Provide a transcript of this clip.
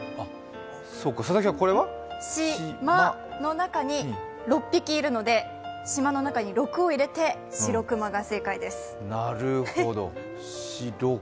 「し」、「ま」の中に６匹いるので島の中に６を入れてシロクマが正解です。